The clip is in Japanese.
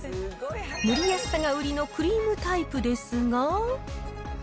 塗りやすさが売りのクリームタイプですが。